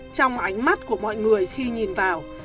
trong ánh mắt của mọi người khi nhìn vào